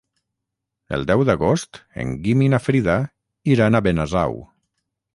El deu d'agost en Guim i na Frida iran a Benasau.